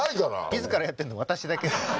自らやってるの私だけ。